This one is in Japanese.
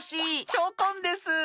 チョコンです！